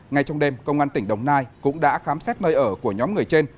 ngay trong đêm công an tỉnh đồng nai cũng đã khám xét nơi ở của nhóm người trên